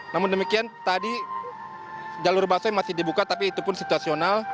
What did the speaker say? namun demikian tadi jalur basoy masih dibuka tapi itu pun situasional